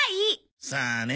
さあね。